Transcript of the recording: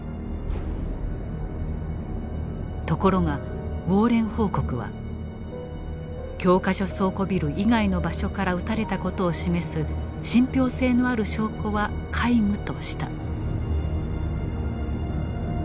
ところがウォーレン報告は「教科書倉庫ビル以外の場所から撃たれたことを示す信ぴょう性のある証拠は皆無」とした。